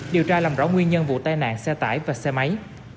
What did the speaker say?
điều tra làm rõ nguyên nhân vụ tai nạn xe tải và xe máy